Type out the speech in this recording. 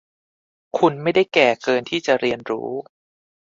คุณไม่ได้แก่เกินที่จะเรียนรู้